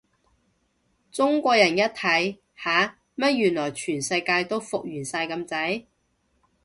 中國人一睇，吓？乜原來全世界都復原晒咁滯？